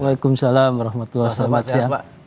waalaikumsalam rahmatullah selamat siang